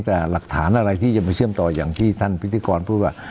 จะเชื่อมต่อยังไง